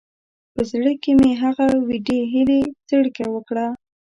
په زړه کې مې هغه وېډې هیلې څړیکه وکړه.